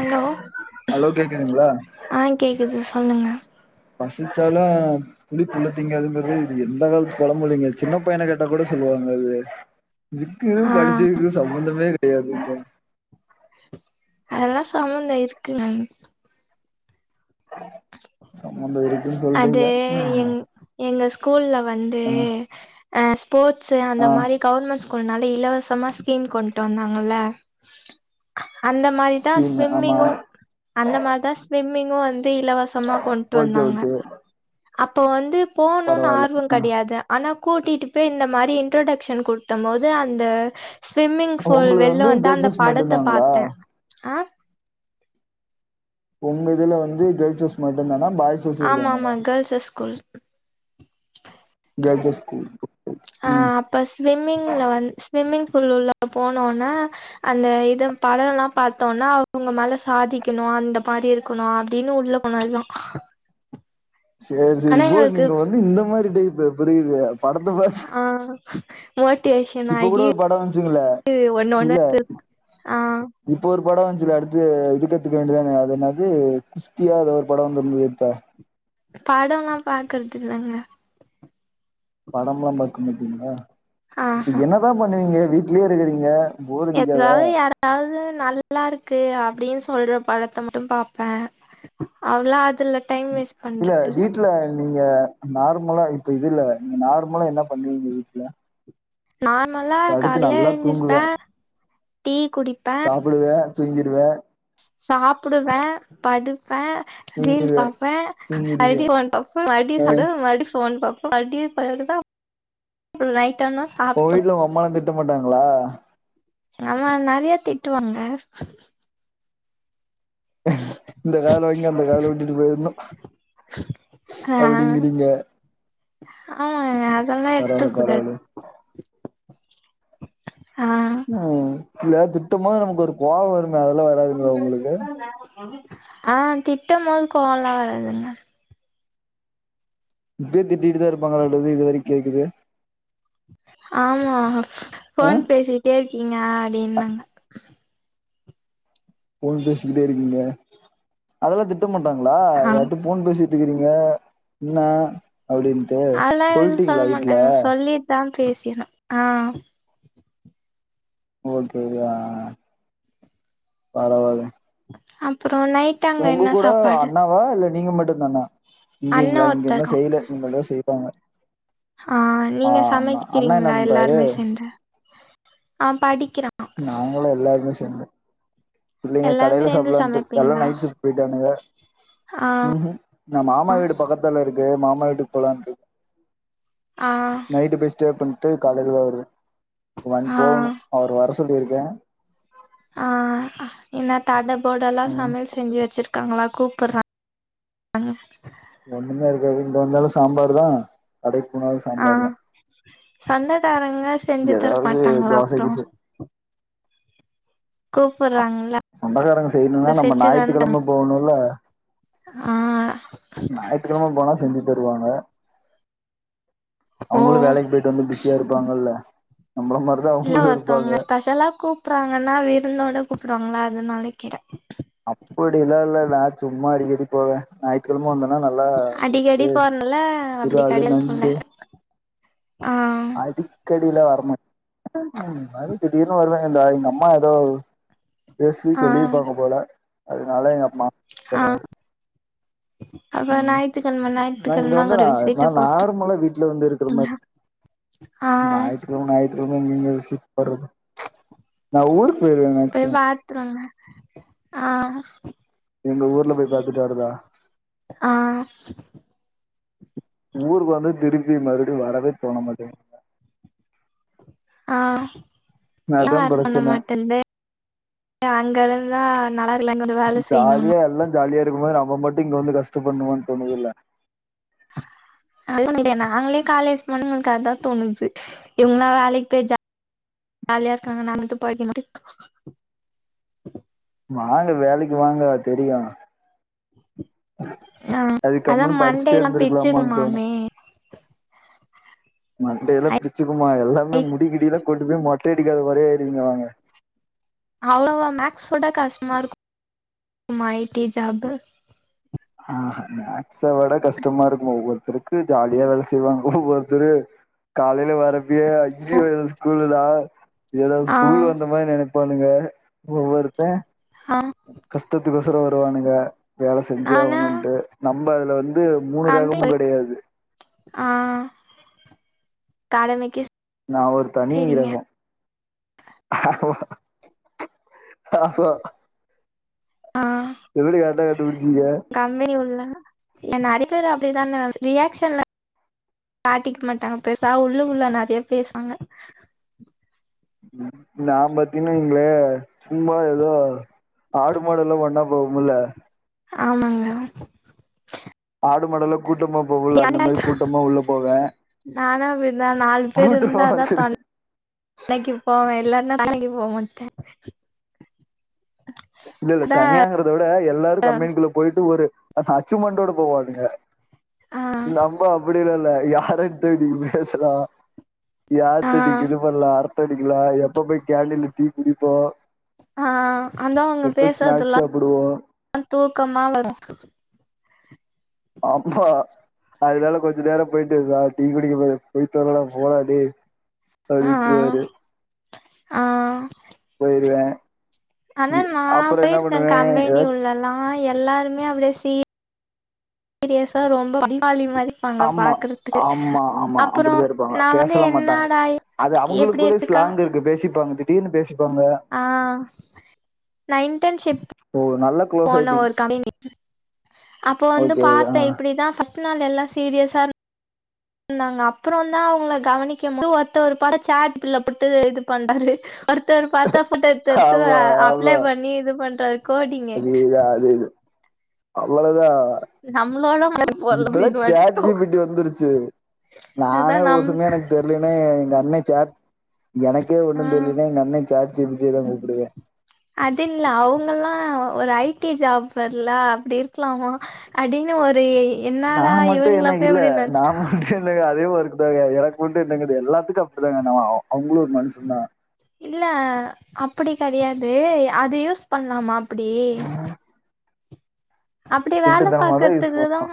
hello hello கேக்குதுங்களா ஆ கேக்குது சொல்லுங்க பசிச்சாலு புலி புல்லத்திங்காதுங்கது இது எந்த காலத்து பழமொழி சின்ன பையன கேட்டா கூட சொல்லுவாங்க அது இதுக்கு ஆ படிச்சதுக்கு சம்பந்தமே கெடையாது இங்க அதெல்லா சம்பந்தம் இருக்குங்க [inaudible] இருக்குன்னு அது சொல்றீங்க ம் எங்க எங்க ஸ்கூல்ல வந்து ம் அ் ஸ்போர்ட்ஸ் அந்த ஆ மாதிரி கவர்மெண்ட் னால இலவசமா ஸ்கீம் கொண்டுட்டு வந்தாங்கல அந்த மாரிதா ஸ்கீம் ஆமா ஸ்விம்மிங்கு அந்த மாரி தா ஸ்விம்மிங்கு வந்து இலவசமா கொண்ட்டு வந்தாங்க [unintelligible] அப்போ வந்து போணும்னு பரவால்ல ஆர்வ கெடையாது ஆனா கூட்டிட்டு போய் இந்த மாரி இன்ட்ரொடக்ஷன் குடுத்த போது அந்த ஸ்விம்மிங் ஆ பூல் உங்களது வெள்ல வந்து வந்துா கேர்ள்ஸ் அந்த ஹாஸ் படத்த மட்டும்தாங்களா பாத்தே ஆ உங்க இதுல வந்து கேர்ள்ஸ்ஸ் மட்டுதானா பாய்ஸ்ஸும் ஆமா ஆமா இருக்காங்களா கேர்ள்ஸஸ் ஸ்கூல் கேர்ள்ஸ்சஸ் ஸ்கூல் ஆ ம் அப்ப ஸ்விம்மிங்ல வந் ஸ்விம்மிங் போனோன அந்த இத படம்ல்லா பத்தோனா அவங்க மேல சாதிக்கணு அந்த மாதிரி இருக்கணு அப்டின்னு உள்ள போணுதல்லா சேரி சேரி ப்ரோ நீங்க வந்து இந்த மாரி டைப்பு புரியுது படத்தை பா ஆ மோட்டிவேஷன் இப்ப கூட ஆகி ஒரு பட வந்துச்சுங்கள ஒண்ணு இல்ல ஒண்ணு து ஆ இப்ப ஒரு படம் வந்துச் அடுத்து இது கத்துக்க வேண்டியதானே அத என்னது குஸ்தியா அ ஒரு படம் வந்துருந்தது இப்ப படம்ல்லா பாக்குறது இல்லங்க படம்ல்லா பாக்க மாட்டீங்களா இப்ப என்னதான் பண்ணுவீங்க வீட்லயே இருக்கிறீங்க போர் அடிக்காதா எதாவது யாராவது நல்லா இருக்கு அப்டின்னு சொ சொல்ற படத்தை மட்டு பாப்பே அவ இல்ல வீட்ல நீங்க நார்மலா இப்ப இது இல்ல நீங்க நார்மலா என்ன பண்ணுவீங்க வீட்ல நார்மலா படுத்து காலையில நல்லா தூங்குவே எழுந்திருப்பே டீ குடிப்பே சாப்டுவே தூங்கிடுவே சாப்டுவே படுப்பே ரீல் தூங்கிருவே பாப்பே ஐ தூங்கிருவே டி மேன் பாப்பே மறுபடியு ஆ சோறு மறுபடி பாப்பே மறுபடி [unintelligible] உங்க சாப்ட்ரு வீட்ல உங்க அம்மாலா திட்ட மாட்டாங்களா ஆமா நெறைய திட்டுவாங்க இந்த காதுலா வாங்கி அந்த காதுல விட்டுட்டு போயிறனு ஆ ஆ அதெல்லா பரவால்ல எடுத்துக் கூடாது பரவால்ல ஆ ம் இல்ல திட்டும்போது நமக்கு ஒரு கோவ வருமே அதெல்லா வராதுங்ளா உங்களுக்கு ஆ திட்டம்போது கோவெல்லா வராதுங்க இப்பயு திட்டிட்டுதா இருப்பாங்களாட்டுக்குது இது வரைக்கு கேக்குது ஆமா ஆ போன் பேசிட்டே இருக்கீங்க அப்டின்னாங்க போன் பேசிகிட்டே இருக்கீங்க அதெல்லா திட்ட மாட்டாங்ளா ஆ யாருட்டயு போன் பேசி ட்டுருக்கீங்க என்ன அப்டின்ட்டு சொல்டீங்ளா வீட்ல பேசி ஆனா ஆ ஓகேங்தா பரவாலங் அப் உங்க கூட அண்ணாவா இல்ல நீங்க மட்டுந்தானா அண்ண இங்கீங்ளா இங்க ஒருத்த இருக்கா இன்னு செய்ல இனிமேதா செய் போங்க ஆ நீங்க என்ன சமைக்கிறீங்களா பண்றாரு எல்லாருமே சேந்து ஆ படிக்கிறான் நாங்களு எல்லாருமே சேந்து இல்லைங்க எல்லாருமே கடையில சேந்து சாப்லான்ட்டு எல்லா சமைப்பீங்களா நைட் சிஃப்ட் போய்ட்டானுங்க ஆ ம்ஹும் நா மாமா வீடு பக்கத்தால இருக்கு மாமா நைட்டுக்கு போலான்ட்டு ஆ நைட்டு போய் ஸ்டே பண்ட்டு காலைலதா வருவ வன் ஆ போகுணு அவர் வர சொல்லிருக்கே ஆ என்ன தடபுடலா ம் சமையல் செஞ்சு வெச்சிரு ட்டாங்ளா கூப்பறாங்க ஒண்ணுமே இருக்காது இங்க வந்தாலு சாம்பாருதா கடைக்கு போனாலு சாம்பாருதா சொந்தகாரங்க செஞ்சு ஏதாவது தரமாட்டாங்ளா தோசை அப்றோ கூப்புட்றாங்களா சொந்தகாரங்க அப்ப செய்யணுனா நம்ம செஞ்சு தான தராங்க ஞாயித்துக்கெழம போணுல்ல ஆ ஞாயித்துக்கெழம போனா செஞ்சி தருவாங்க ஓ அவுங்களு வேலைக்கு போயிட்டு வந்து பிஸியா இருப்பாங்கல்ல நம்மள மாதிரிதான் இல்ல அவங்களும் இருப்பாங்க ஒருத்தவங்க ஸ்பெஷலா கூப்பறாங்கன்னா விருந்தோட கூப்பிடுவாங்களா அதுனால கிற அப்படியெல்லா இல்ல நா சும்மா அடிக்கடி போவே ஞாயித்துக்கெழம வந்தா நல்லா அடிக்கடி ஃபிஷ்சு போறனால அப்டி இராலு கெடையாது போல நண்டு ஆ அடிக்கடி எல்லா வரமா ம் ம் ஒரு மாறி திடீர்னு வருவாங்க இந்தா எங்க அம்மா எதோ பேசி ஆ சொல்லிருப்பாங்க போல அதனால எங்க அம்மா ஆ வராது அப்ப ம் ஞாயித்துக்கிழம நா இங்க ஞாயித்துக்கிழம அங்க வந்து ஒரு நா விசிட்ட நான் போட்டு நார்மலா வீட்ல வந்து இருக்கிற மாரி ஆ ஞாயித்துக்கெழம ஞாயித்துக்கெழம எங்கிங்க விசிட் போறது நா ஊருக்கு போயிருவே போய் மேக்சிமம் பாத்துருவாங்க ஆ எங்க ஊர்ல போய் பாத்துட்டு வரதா ஆ ஊருக்கு வந்து திருப்பி மறுபடியு வரவே தோண மாட்டேங்குது ஆ ஏ அதா வர்ர தோண பிரச்சன மாட்டேனுது அங்க இருந்துதா நல்லா இல்ல இங்க வந்து வேல செய்ணுனு நம்ப மட்டு இங்க வந்து கஷ்ட படனுமான்னு தோணுதில்ல [inaudible] அது [inaudible] நாங்களே காலேஜ் போண்ணு அதுதா தோணுச்சு இவங்களா வேலைக்கு போயி ஜா ஜாலியா இருக்காங்க நா மட்டு படிகனுட்டு வாங்க வேலைக்கு வாங்க தெரியு ஆ அதா அதுக்கப்பறமு படிச்சுட்டே மண்டேல்லா இருந்திருக்கலாமானு தோணு பிச்சுக்குமாமே மண்டயெல்லா பிச்சுக்குமா எல்லாமே முடிகிடி எல்லா கொட்டுது மொட்டையடிக்காத மாரியே செரிங்க வாங்க அவ்ளோவா மேக்ஸ்ஸ விட கஷ்டமா இருக்குமா ஐ டி ஜாபு ஆ மேக்ஸ விட கஷ்டமா இருக்குமா ஒவ்வொருத்தருக்கு ஜாலியா வேல செய்வாங்க ஒவ்ஒருத்தரு காலையில வரப்பய அஞ்சு வயது ஸ்கூலுனா எதாவ்து ஆ ஸ்கூல் வந்த மாரி நினைப்பானுங்க ஒவ்வொருத்தன் ஆ கஷ்டத்துக்கு வசரம் வருவானுங்க வேலை செஞ்சு நானா ஆகணும்ன்ட்டு நம்ம அதுல வந் து மூணு ரகமும் கம்பெனி கெடையாது கடைமக்கி நா ஒரு தனி ரகம் ஆமா ஆமா ஆ எப்டி கரெக்டா கண்டுபிடிச்சீங்க கம்பெனி உள்ள என்ன அடி பேரு அப்படிதான ரியாகஷன்ல காட்டிக்க மாட்டாங்க பேசா உள்ளு உள்ள நிறைய பேசுவாங்க நான் பத்தீனா இங்ளே சும்மா ஏதோ ஆடு மாடு எல்லா ஒண்ணா போகும்ல ஆமாங்க ஆடு மாடல்லா கூட்டமா போவு அந்த மாரி கூட்டமா உள்ள போவே நானும் அப்படிதா நாலு பேர் கூட்டமா இருந்தாதான் வந்துரு தொனைக்கு போவே இல்லனா வேற எங்கயு போமாட்ட இல்ல இல்ல தனியாங்கறத விட எல்லாரு கம்பெனிக்குள்ள போயிட்டு ஒரு அ அச்சுமண்டோட போவானுங்க ஆ நம்ம அப்டிலா இல்ல யாரட்டு இன்னிக்கி பேசலா ஆ யார்ட் அடிக்கு இது பண்ணலா அரட்ட அடிக்கலாம் எப்ப போய் கேண்டில்ல டீ குடிப்போம் ஆ அதான் அவங்க ஸ்நாக்ஸ் பேசதெல்லா சாப்புடுவோ தூக்கமா வரு ஆமா அதனால கொஞ்சொ நேரம் போயிட்டு இரு சார் டீ குடிக்க போ பொய்தொலடா போடா டேய் ஆ அப்டின்றுவாறு ஆ போயிருவே ஆனா நான் அப்புறோ என்ன போயிருக்கேன் பண்ணுவே கம்பெனி ஏதாது உள்ள எல்லா எல்லாருமே அப்படியே சீ சீரியஸா ரொம்ப படிப்பாளி மா ப்பாங்க ஆமா பாக்குறதுக்கு ஆமா ஆமா அப்புறம் அப்படிதா இருப்பாங்க நான் வந்து பேசலா மாட்டாங்க என்னடா அது எப்டி அவங்களுக்குள்ளே இருக்கா ஸ்லாங் இருக்கு பேசிப்பாங்க திடீர்னு பேசிப்ப ஆ நா இன்டன்ஷிப் ஓ நல்லா க்ளோஸ் போன ஆயிட்டீங் ஒரு கம்பெனிக்கு அப்போ வந்து ஓகே ஆ பாத்த இப்டிதா ஃபர்ஸ்ட் நாள் எல்லா சீரியஸா இரு ந்தாங்க அப்புறம் தா அவங்கள கவனிக்க போது ஒருத்த ஒரு பட ஷாட்குள்ள போட்டு இது பண்றாரு ஒருத்தர் பாத்தா போட்டா எத்து எத்து ஆமா அப்ளை ஆமா பண்ணி இது பண்றார் அது இது அது இது அவ்ளோதா அ நம்மளோட மனசு போல இப்பல்லா அப்டின்னு சாட் வன்ட்டோ ஜி பி டி வந்துருச்சு அதா நானே ஒரு நம் சமயோ எனக்கு தெரியலன்ன எங்க அண்ணே சாட் எனக்கே ஆ ஒண்ணும் தெரியலனா எங்க அண்ணே சாட் ஜி பி ட்டதா கூப்புடுவே அது இல்ல அவங்கல்லா ஒரு ஐ டி ஜாப்பர்ல அப்டி இருக்லாமா அப்டின்னு ஒரே நா மட்டும் என்ன இல்ல நா மட்டு என்னங்க அதே ஒர் க்தாங்க எனக்கு மட்டு என்னங்கது எல்லாத்துக்கும் அப்டித்தாங்க ந அவுங்களும் ஒரு மனுஷ தா இல்ல அப்டி கெடையாது அது யூஸ் பண்ணலாமா அப்டி அப்டி வேலை திருட்டுத்தனமா தா யூஸ் பாக்கறதுக்கு தா பண்ணோ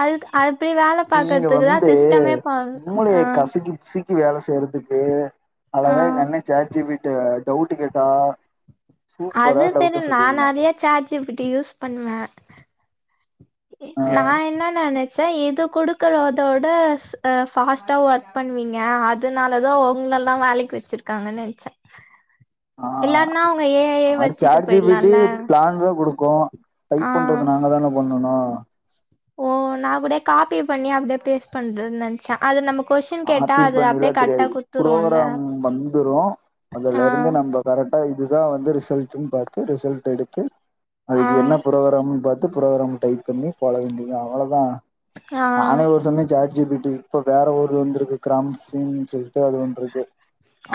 அது அ நீங்க வந்து மூளைய ஆ கசுக்கி புசுக்கி வேல செய்யறதுக் கு ஆ அழகா எங்க அண்ண சாட் ஜி பி ட டவுட் கேட்டா சூப்பரா அது டவுட்ட தெரியு நான் சொல்லிருவா நெறைய chat G B D use பண்வே எ ஆ நா என்ன நெனைச் சே இது கொடுக்குறதோட அ ஃபாஸ்ட்டா ஒர்க் பண்வீங்க அதனால தா ஒங் கள எல்லா வேலைக்கு வச்சிருக்காங்கன்னு நனச்சே ஆ அது சாட் ஜி பி டி போயிட்லால்ல பிளான் தான் கொடுக் கு டைப் ஆ பண்றது நாங்க தான பண்ணனு ஓ நா கூட காபி பண்ணி அப்டே பேஸ் பண்றத் நென்ச்சே அது நமக் காப்பி பண்ணிலா தெரியாது குடுத்துரும்ல புரோகராம் வந்துரு ஆ அதுலருந்து நம்ப கரெக்டா இது இதா வந்து ரிசல்ட்டுன் பாத்து ரிசல்டெடுத்து ஆ அதுக்கு என்ன புரோகிராம்ன் பாத் து புரோகிராம் டைப் பண்ணி போட வேண்டிதா அவ்வளோதா ஆ நானே ஒர் சம்யு சாட் ஜி பி டி இப்ப வேற ஒருது வந்துருக்கு கிராம்சின்னு சொல்ட்டு அது ஒன்ருக்கு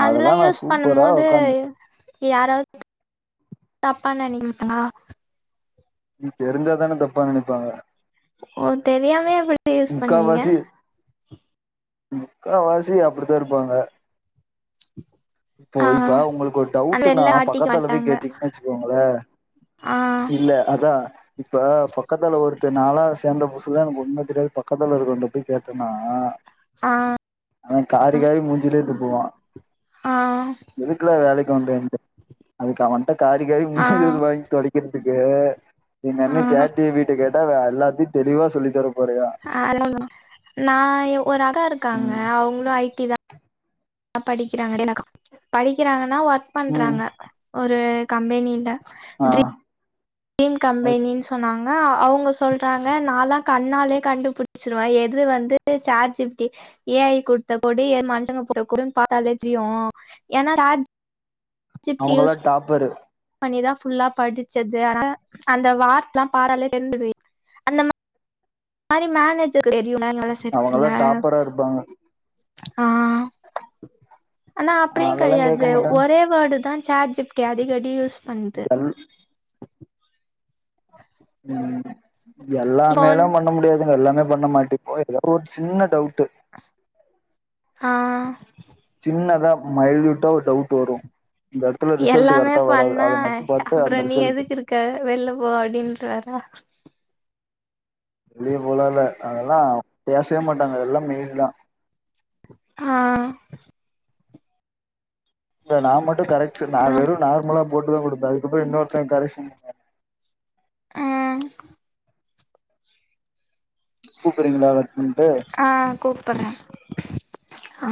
அதெல்லா யூஸ் பண்ணும் போது யாராவ் தப்பா நெனிக்க மாட்டங்ளா நீ தெரிஞ்சாதான தப்பா நெனைப்பாங்கா ஓ தெரியாமே எப்படி யூஸ் பண்ணுவீங்க முக்கா வாசி அப்படித்தா இருப்பாங்க இப்போ ஆ இப்ப உங்களுக்கு ஒரு ஆனா டவுட்டுனா வெளில காட்டிக்க பக்கத்தல போய் மாட்டாங்க கேட்டீங்கன் வெச்சுக்கோங்களே ஆ இல்ல அதா இப்ப பக்கத்தல ஒருத்தன் நாளா சேந்த புதுசுல்லா எனக்கு ஒன்னு தெரியாது பக்கத்தல இருக்கறவண்ட போய் கேட்டனா ஆ அவன் காரி காரி மூஞ்சிலே துப்புவா ஆ எதுக்குடா வேலைக்கு வந்தேன்ட்டு அதுக்கு அவங்கிட்ட காரி காரி ஆ மூஞ்சில வாங்கி தொடைக்கிற துக்கு எங்க ஆ அண்ணே சேட் ஜி பி டி கேட்டா அவ எல்லாத்யு தெளிவா சொல்லித்தரு ஆ [unintelligible] நா எ ஒரு அக்கா இருக்காங்க அவுங்ளு ஐ டி தா படிக்கிறாங்க [unintelligible] படிக்கிறாங்கன்னா ஒர்க் ம் பண்றாங்க ஒரு கம்பெனில அ எய்ம் கம்பெனின் சொன்னாங் க அவுங்க சொல்றாங்க நாலா கண்ணாலே கண்டுபுடிச்சிடுவே எது வந்து chat G B T A I குட்த்த கோடு எது மனுசங்க போட்ட கோடுன்னு பாத்தாலே தெரியு ஏன்னா chat G B D use அவங்கல்லா டாப்பரு பண்ணிதா ஃபுல்லா படிச்சது அத்னால அந்த வார்த்தலா பாத்தாலே தெரிஞ்சு [unintelligible] அந்த மா ரி மேனேஜருக்கு தெரியுல்ல வேல செய்ற எத்துல அவங்கல்லா டாப்பரா இருப்பாங்க அ ஆனா அப்படியு அதெல்லா கேட்க கெடயாது மாட்டாங்க ஒரே வேடு தா சேட் ஜி பி டி அடிக்கடி டியூஸ் பண்து ம் இப்போ எல்லாமேலா வந்து பண்ண முடியாது எல்லாமே பண்ண மாட்டிப்போ‌ எதா ஒரு சின்ன டவுட்டு ஆ சின்னதா மைல்யூட்டா ஒரு டவுட் வரு இந்த எடத்துல ரிசல்ட் எல்லாமே கரெக்டா வராது பண்ணா அத மட்டு பாத்து அந்த அப்பூறோ நீ ரிசல்ட் எதுக்கிருக்க வெள்ல போ அப்டின்ருவாரு அ வெளியே போலா இல்ல அதெல்லா பேசவே மாட்டாங்க எல்லா மெய்ல் தா ஆ இல்ல நா மட்டு கரெக்ஷன் நா வெறு நார்மலா போட்டுதா குடுப்ப அதுக்கப்பற இன்னொர்த்தன் கரெக்ஷன் அ கூப்புறீங்களா கட் பண் அ கூப்பறே அ